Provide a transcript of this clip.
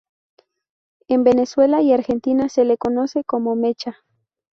En Venezuela y Argentina se le conoce como "mecha".